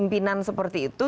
pimpinan seperti itu